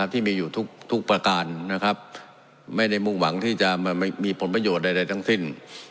ที่มีอยู่ทุกประการนะครับไม่ได้มุ่งหวังที่จะมีผลประโยชน์ใดทั้งสิ้น